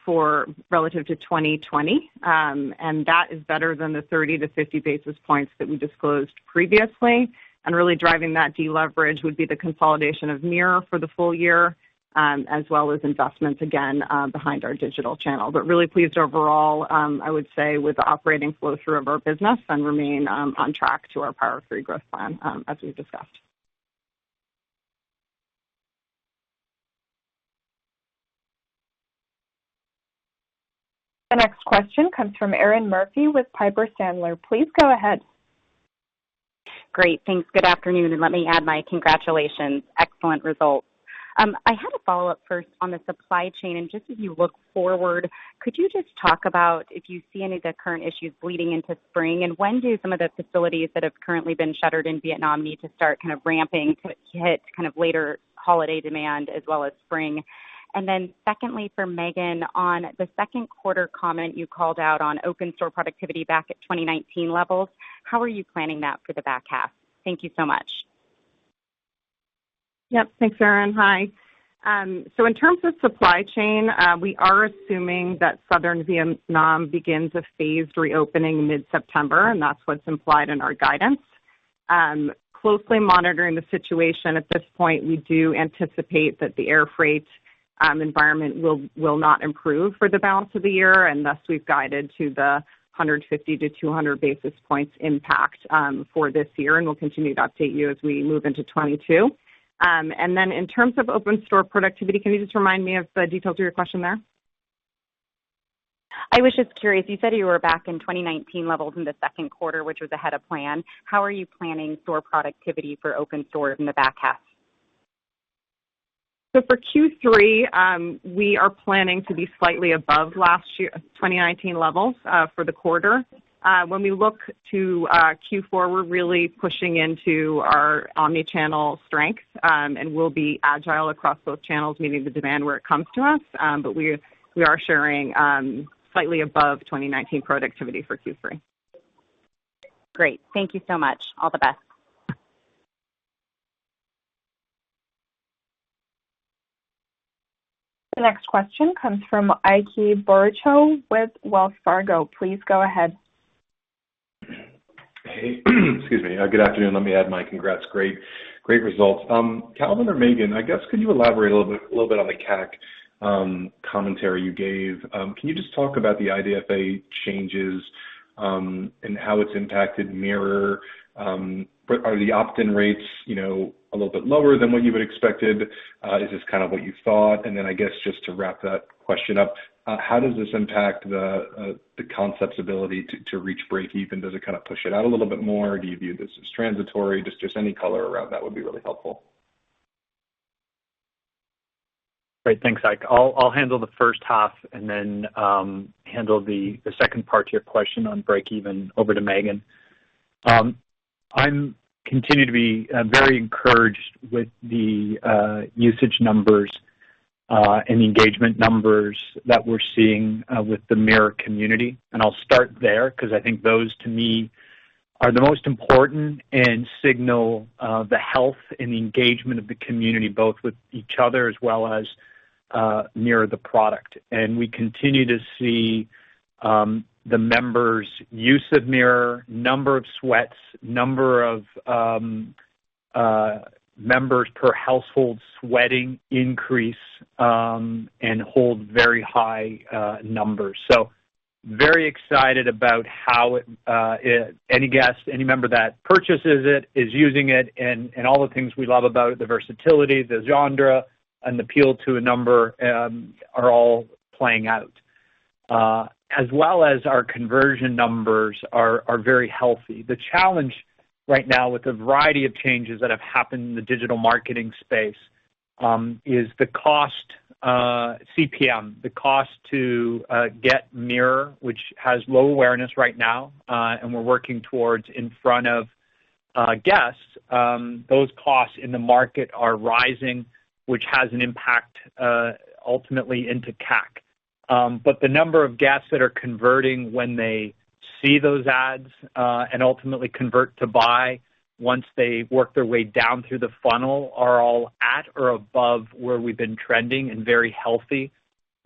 relative to 2020, and that is better than the 30 to 50 basis points that we disclosed previously. Really driving that deleverage would be the consolidation of Mirror for the full year, as well as investments, again, behind our digital channel. Really pleased overall, I would say, with the operating flow through of our business and remain on track to our Power of Three growth plan, as we've discussed. The next question comes from Erinn Murphy with Piper Sandler. Please go ahead. Great, thanks. Good afternoon, and let me add my congratulations. Excellent results. I had a follow-up first on the supply chain, and just as you look forward, could you just talk about if you see any of the current issues bleeding into spring? When do some of the facilities that have currently been shuttered in Vietnam need to start ramping to hit later holiday demand as well as spring? Secondly, for Meghan, on the second quarter comment you called out on open store productivity back at 2019 levels, how are you planning that for the back half? Thank you so much. Yep. Thanks, Erinn. Hi. In terms of supply chain, we are assuming that southern Vietnam begins a phased reopening mid-September, and that's what's implied in our guidance. Closely monitoring the situation at this point. We do anticipate that the air freight environment will not improve for the balance of the year, and thus we've guided to the 150 to 200 basis points impact for this year, and we'll continue to update you as we move into 2022. In terms of open store productivity, can you just remind me of the details of your question there? I was just curious. You said you were back in 2019 levels in the second quarter, which was ahead of plan. How are you planning store productivity for open stores in the back half? For Q3, we are planning to be slightly above 2019 levels for the quarter. When we look to Q4, we're really pushing into our omni-channel strength, and we'll be agile across both channels, meeting the demand where it comes to us. We are sharing slightly above 2019 productivity for Q3. Great. Thank you so much. All the best. The next question comes from Ike Boruchow with Wells Fargo. Please go ahead. Hey. Excuse me. Good afternoon. Let me add my congrats. Great results. Calvin or Meghan, I guess could you elaborate a little bit on the CAC commentary you gave? Can you just talk about the IDFA changes, and how it's impacted Mirror? Are the opt-in rates a little bit lower than what you had expected? Is this what you thought? I guess just to wrap that question up, how does this impact the concept's ability to reach breakeven? Does it push it out a little bit more? Do you view this as transitory? Just any color around that would be really helpful. Great. Thanks, Ike. I'll handle the first half and then handle the second part to your question on breakeven. Over to Meghan. I continue to be very encouraged with the usage numbers and the engagement numbers that we're seeing with the Mirror community, and I'll start there because I think those to me are the most important and signal the health and engagement of the community, both with each other as well as Mirror the product. We continue to see the members' use of Mirror, number of sweats, number of members per household sweating increase, and hold very high numbers. Very excited about how any guest, any member that purchases it is using it, and all the things we love about it, the versatility, the genre, and appeal to a number are all playing out. Our conversion numbers are very healthy. The challenge right now with the variety of changes that have happened in the digital marketing space, is the cost, CPM, the cost to get Mirror, which has low awareness right now, and we're working towards in front of guests. Those costs in the market are rising, which has an impact, ultimately into CAC. The number of guests that are converting when they see those ads, and ultimately convert to buy once they work their way down through the funnel are all at or above where we've been trending and very healthy.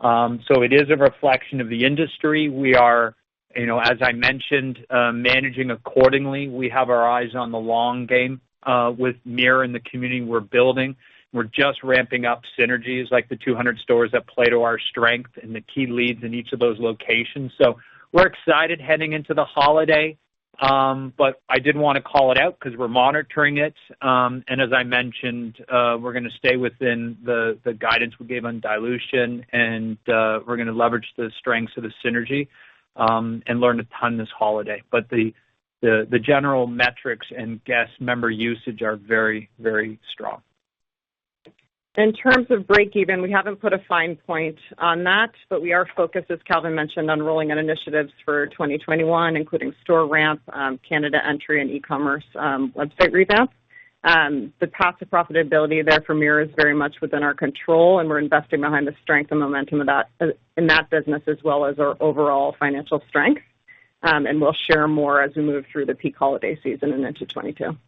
It is a reflection of the industry. We are, as I mentioned, managing accordingly. We have our eyes on the long game, with Mirror and the community we're building. We're just ramping up synergies like the 200 stores that play to our strength and the key leads in each of those locations. We're excited heading into the holiday. I did want to call it out because we're monitoring it. As I mentioned, we're going to stay within the guidance we gave on dilution and we're going to leverage the strengths of the synergy, and learn a ton this holiday. The general metrics and guest member usage are very, very strong. In terms of break-even, we haven't put a fine point on that. We are focused, as Calvin mentioned, on rolling out initiatives for 2021, including store ramp, Canada entry, and e-commerce website revamp. The path to profitability there for Mirror is very much within our control, and we're investing behind the strength and momentum in that business as well as our overall financial strength. We'll share more as we move through the peak holiday season and into 2022.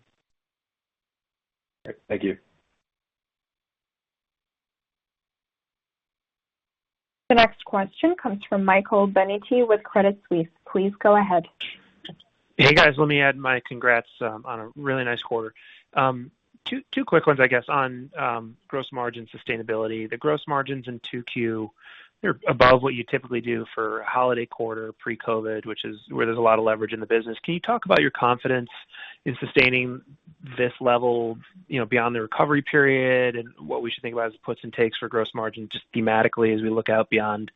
Great. Thank you. The next question comes from Michael Binetti with Credit Suisse. Please go ahead. Hey, guys. Let me add my congrats on a really nice quarter. Two quick ones, I guess, on gross margin sustainability. The gross margins in 2Q, they're above what you typically do for a holiday quarter pre-COVID, which is where there's a lot of leverage in the business. Can you talk about your confidence in sustaining this level beyond the recovery period, and what we should think about as puts and takes for gross margin just thematically as we look out beyond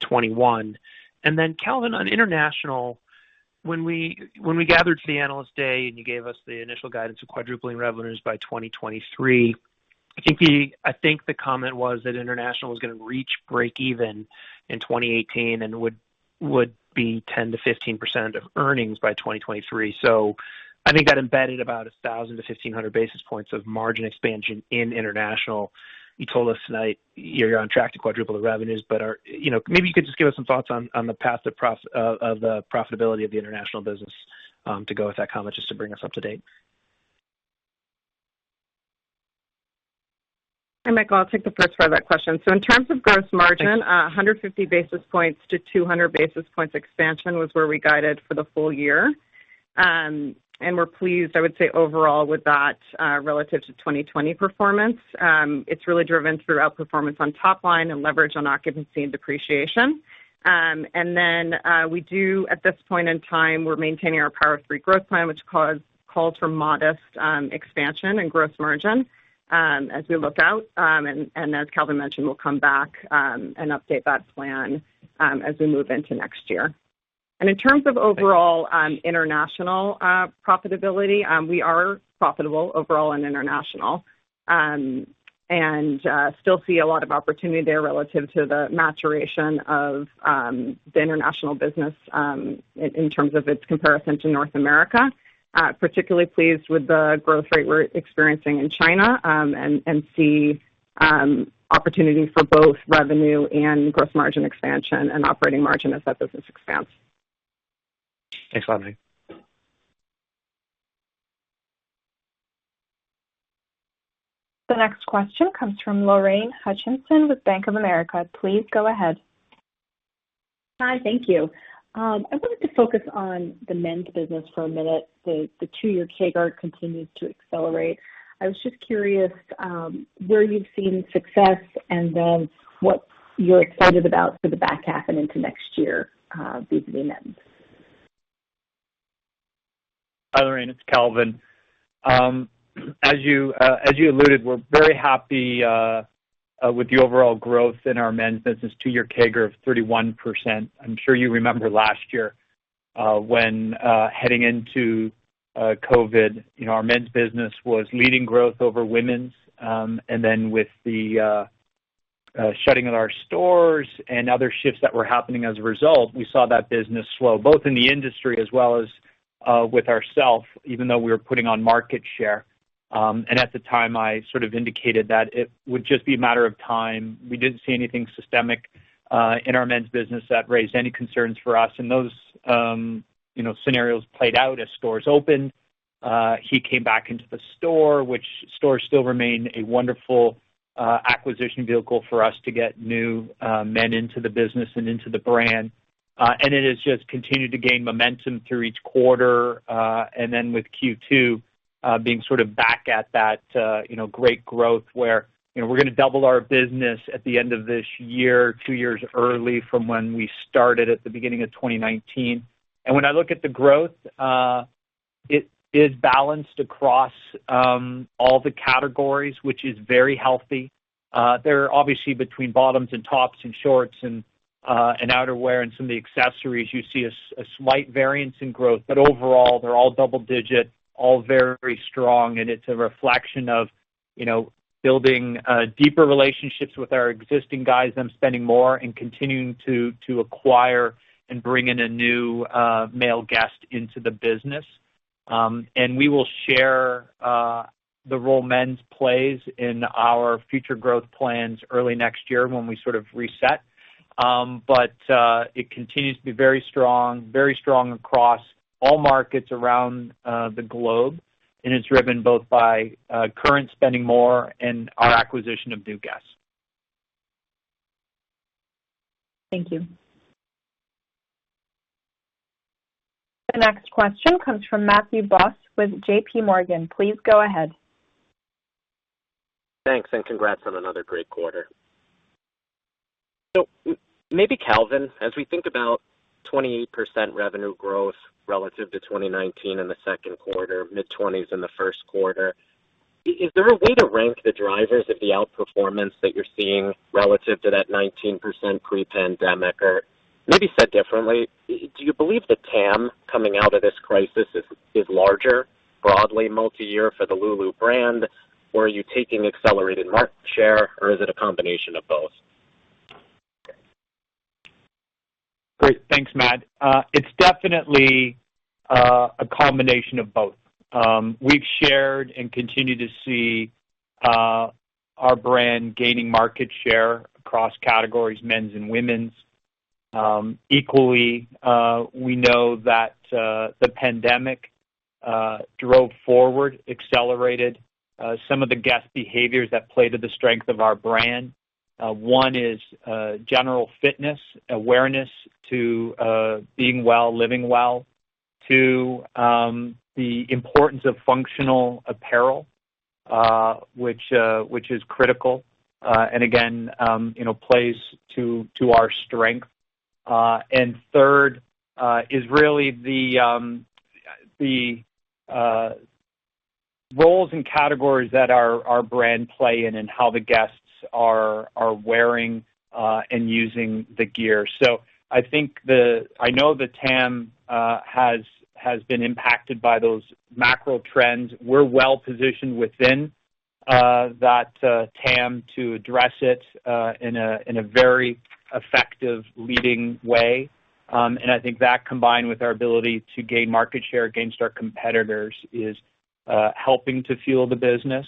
2021? Calvin, on international, when we gathered to the Analyst Day and you gave us the initial guidance of quadrupling revenues by 2023, I think the comment was that international was going to reach break even in 2018 and would be 10%-15% of earnings by 2023. I think that embedded about 1,000-1,500 basis points of margin expansion in international. You told us tonight you're on track to quadruple the revenues, but maybe you could just give us some thoughts on the path of the profitability of the international business, to go with that comment, just to bring us up to date. Hi, Michael. I'll take the first part of that question. In terms of gross margin. 150 basis points to 200 basis points expansion was where we guided for the full year. We're pleased, I would say, overall with that, relative to 2020 performance. It's really driven through outperformance on top line and leverage on occupancy and depreciation. We do, at this point in time, we're maintaining our Power of Three growth plan, which calls for modest expansion and gross margin as we look out. As Calvin mentioned, we'll come back and update that plan as we move into next year. In terms of overall international profitability, we are profitable overall in international. Still see a lot of opportunity there relative to the maturation of the international business, in terms of its comparison to North America. Particularly pleased with the growth rate we're experiencing in China, and see opportunity for both revenue and gross margin expansion and operating margin as that business expands. Thanks a lot, Meghan. The next question comes from Lorraine Hutchinson with Bank of America. Please go ahead. Hi, thank you. I wanted to focus on the men's business for a minute. The two-year CAGR continues to accelerate. I was just curious where you've seen success and then what you're excited about for the back half and into next year vis-a-vis men's? Hi, Lorraine, it's Calvin. As you alluded, we're very happy with the overall growth in our men's business, two-year CAGR of 31%. I'm sure you remember last year, when heading into COVID-19, our men's business was leading growth over women's. Then with the shutting of our stores and other shifts that were happening as a result, we saw that business slow, both in the industry as well as with ourself, even though we were putting on market share. At the time, I sort of indicated that it would just be a matter of time. We didn't see anything systemic in our men's business that raised any concerns for us. Those scenarios played out as stores opened. He came back into the store, which stores still remain a wonderful acquisition vehicle for us to get new men into the business and into the brand. It has just continued to gain momentum through each quarter. With Q2 being sort of back at that great growth where we're going to double our business at the end of this year, two years early from when we started at the beginning of 2019. When I look at the growth. It is balanced across all the categories, which is very healthy. There are obviously between bottoms and tops and shorts and outerwear and some of the accessories, you see a slight variance in growth, but overall, they're all double-digit, all very strong, and it's a reflection of building deeper relationships with our existing guys. Them spending more and continuing to acquire and bring in a new male guest into the business. We will share the role men's plays in our future growth plans early next year when we sort of reset. It continues to be very strong across all markets around the globe, and it's driven both by current spending more and our acquisition of new guests. Thank you. The next question comes from Matthew Boss with JPMorgan. Please go ahead. Thanks. Congrats on another great quarter. Maybe Calvin, as we think about 28% revenue growth relative to 2019 in the second quarter, mid-20s in the first quarter, is there a way to rank the drivers of the outperformance that you're seeing relative to that 19% pre-pandemic? Maybe said differently, do you believe the TAM coming out of this crisis is larger, broadly multi-year for the Lulu brand, or are you taking accelerated market share, or is it a combination of both? Great. Thanks, Matt. It's definitely a combination of both. We've shared and continue to see our brand gaining market share across categories, men's and women's. Equally, we know that the pandemic drove forward, accelerated some of the guest behaviors that play to the strength of our brand. One is general fitness, awareness to being well, living well. Two, the importance of functional apparel which is critical, and again plays to our strength. Third is really the roles and categories that our brand play in and how the guests are wearing and using the gear. I know the TAM has been impacted by those macro trends. We're well positioned within that TAM to address it in a very effective leading way. I think that combined with our ability to gain market share against our competitors is helping to fuel the business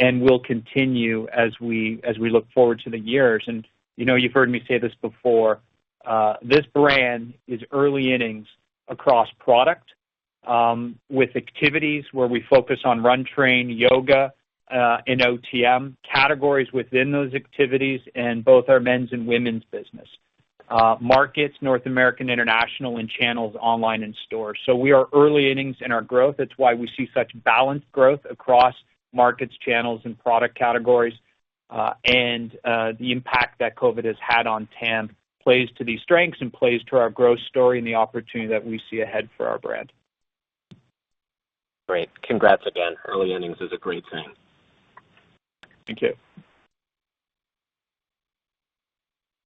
and will continue as we look forward to the years. You've heard me say this before, this brand is early innings across product, with activities where we focus on run train, yoga and OTM categories within those activities and both our men's and women's business, markets, North American, international, and channels online and stores. We are early innings in our growth. That's why we see such balanced growth across markets, channels, and product categories. The impact that COVID has had on TAM plays to these strengths and plays to our growth story and the opportunity that we see ahead for our brand. Great. Congrats again. Early innings is a great thing. Thank you.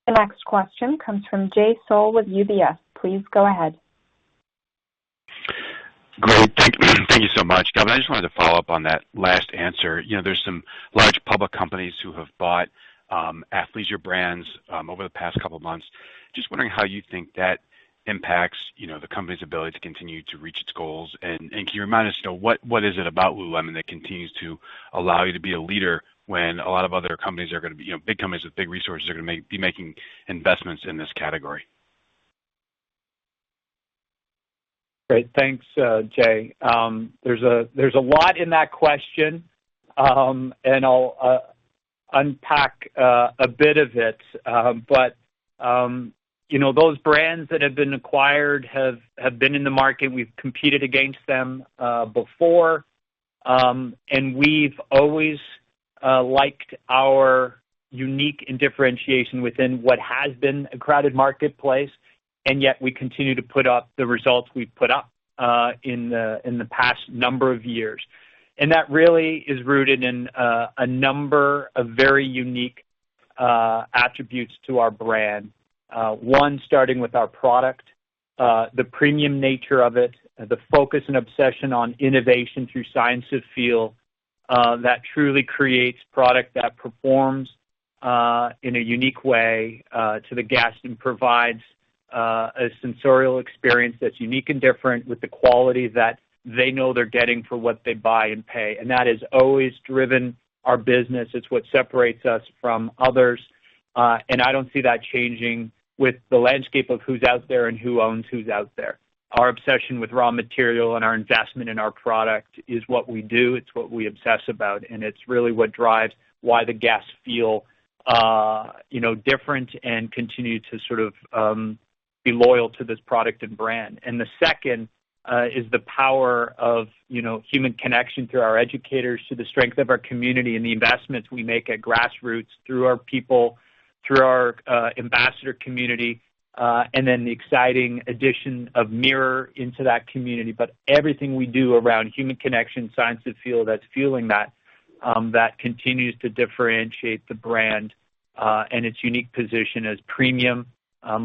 The next question comes from Jay Sole with UBS. Please go ahead. Great. Thank you so much. Calvin, I just wanted to follow up on that last answer. There's some large public companies who have bought athleisure brands over the past couple of months. Just wondering how you think that impacts the company's ability to continue to reach its goals, and can you remind us though what is it about Lululemon that continues to allow you to be a leader when a lot of other companies, big companies with big resources, are gonna be making investments in this category? Great. Thanks, Jay. There's a lot in that question, and I'll unpack a bit of it. Those brands that have been acquired have been in the market. We've competed against them before, and we've always liked our unique differentiation within what has been a crowded marketplace, and yet we continue to put up the results we've put up in the past number of years. That really is rooted in a number of very unique attributes to our brand. One, starting with our product, the premium nature of it, the focus and obsession on innovation through Science of Feel that truly creates product that performs in a unique way to the guest and provides a sensorial experience that's unique and different with the quality that they know they're getting for what they buy and pay. That has always driven our business. It's what separates us from others. I don't see that changing with the landscape of who's out there and who owns who's out there. Our obsession with raw material and our investment in our product is what we do, it's what we obsess about, and it's really what drives why the guests feel different and continue to sort of be loyal to this product and brand. The second is the power of human connection through our educators, through the strength of our community and the investments we make at grassroots through our people. Through our ambassador community, then the exciting addition of Mirror into that community. Everything we do around human connection, science that's fueling that continues to differentiate the brand and its unique position as premium,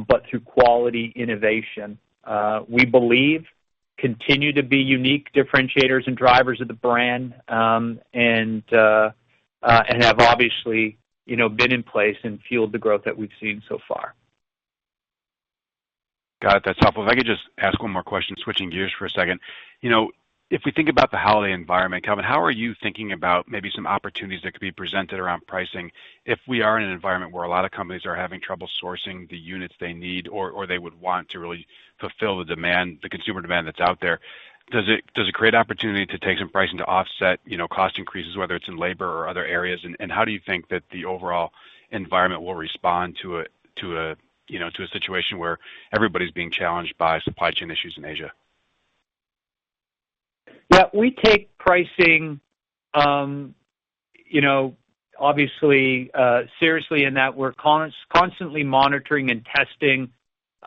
but through quality innovation. We believe continue to be unique differentiators and drivers of the brand, and have obviously been in place and fueled the growth that we've seen so far. Got it. That's helpful. If I could just ask one more question, switching gears for a second. If we think about the holiday environment, Calvin, how are you thinking about maybe some opportunities that could be presented around pricing if we are in an environment where a lot of companies are having trouble sourcing the units they need or they would want to really fulfill the consumer demand that's out there? Does it create opportunity to take some pricing to offset cost increases, whether it's in labor or other areas, and how do you think that the overall environment will respond to a situation where everybody's being challenged by supply chain issues in Asia? Yeah, we take pricing obviously seriously in that we're constantly monitoring and testing,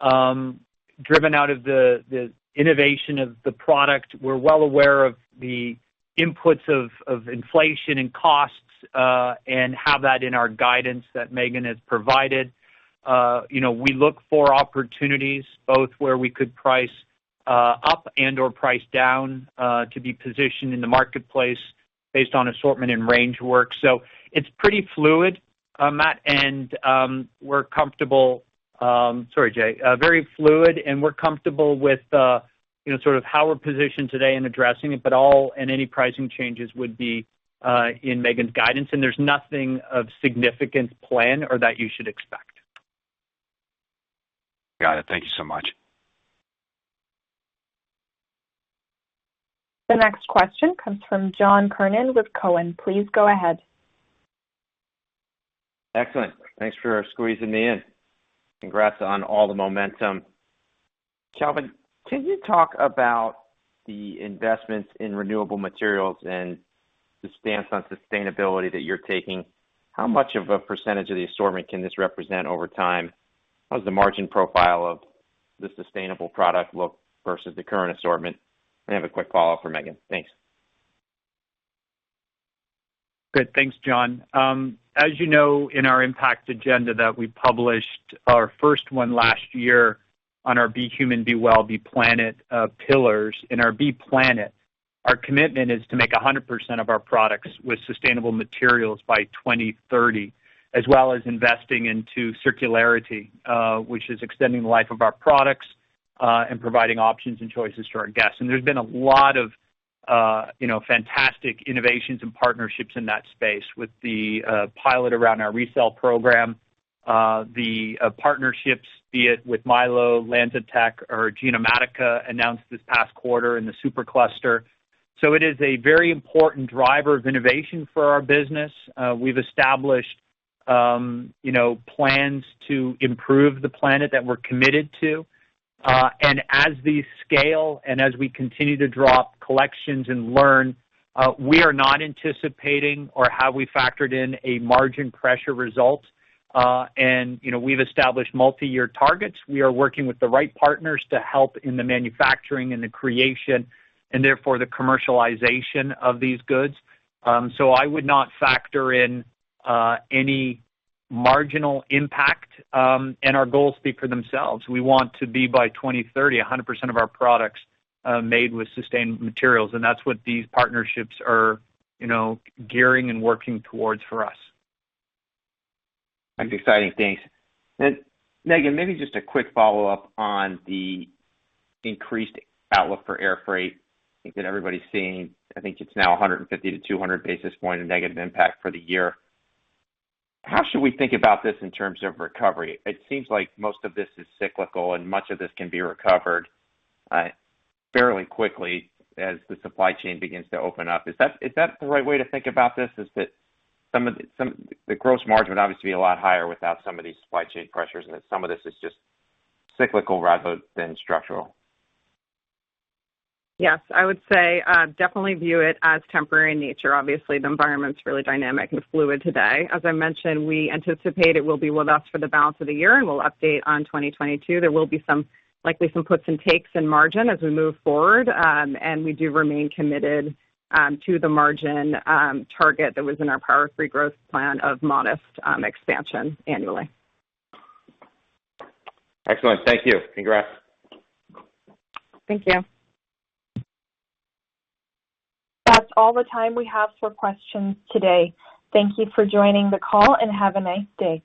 driven out of the innovation of the product. We're well aware of the inputs of inflation and costs. We have that in our guidance that Meghan has provided. We look for opportunities both where we could price up and/or price down to be positioned in the marketplace based on assortment and range work. It's pretty fluid, Matthew. Sorry, Jay. Very fluid, and we're comfortable with sort of how we're positioned today in addressing it, but all and any pricing changes would be in Meghan's guidance. There's nothing of significance planned or that you should expect. Got it. Thank you so much. The next question comes from John Kernan with Cowen. Please go ahead. Excellent. Thanks for squeezing me in. Congrats on all the momentum. Calvin, can you talk about the investments in renewable materials and the stance on sustainability that you're taking? How much of a % of the assortment can this represent over time? How does the margin profile of the sustainable product look versus the current assortment? I have a quick follow-up for Meghan. Thanks. Good. Thanks, John. As you know, in our Impact Agenda that we published our first one last year on our "Be Human, Be Well, Be Planet" pillars. In our "Be Planet," our commitment is to make 100% of our products with sustainable materials by 2030, as well as investing into circularity, which is extending the life of our products, and providing options and choices to our guests. There's been a lot of fantastic innovations and partnerships in that space with the pilot around our resale program, the partnerships, be it with Mylo, LanzaTech, or Genomatica announced this past quarter in the supercluster. It is a very important driver of innovation for our business. We've established plans to improve the planet that we're committed to. As these scale and as we continue to drop collections and learn, we are not anticipating or have we factored in a margin pressure result. We've established multi-year targets. We are working with the right partners to help in the manufacturing and the creation, and therefore, the commercialization of these goods. I would not factor in any marginal impact. Our goals speak for themselves. We want to be, by 2030, 100% of our products made with sustainable materials, and that's what these partnerships are gearing and working towards for us. That's exciting. Thanks. Meghan, maybe just a quick follow-up on the increased outlook for air freight that everybody's seeing. I think it's now 150 to 200 basis points of negative impact for the year. How should we think about this in terms of recovery? It seems like most of this is cyclical and much of this can be recovered fairly quickly as the supply chain begins to open up. Is that the right way to think about this, is that the gross margin would obviously be a lot higher without some of these supply chain pressures, and that some of this is just cyclical rather than structural? Yes, I would say definitely view it as temporary in nature. Obviously, the environment's really dynamic and fluid today. As I mentioned, we anticipate it will be with us for the balance of the year, and we'll update on 2022. There will be likely some puts and takes in margin as we move forward. We do remain committed to the margin target that was in our Power of Three growth plan of modest expansion annually. Excellent, thank you. Congrats. Thank you. That's all the time we have for questions today. Thank you for joining the call, and have a nice day.